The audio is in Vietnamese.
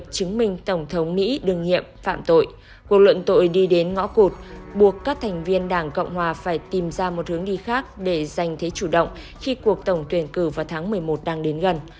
cuộc luận tội đi đến ngõ cụt buộc các thành viên đảng cộng hòa phải tìm ra một hướng đi khác để giành thế chủ động khi cuộc tổng tuyển cử vào tháng một mươi một đang đến gần